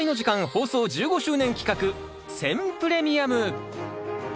放送１５周年企画選プレミアム。